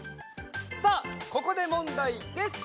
さあここでもんだいです！